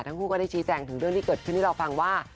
ทั้งคู่ก็ได้ชี้แจงถึงเรื่องที่เกิดขึ้นให้เราฟังว่า